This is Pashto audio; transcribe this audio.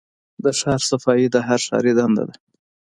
د ښار صفايي د هر ښاري دنده ده.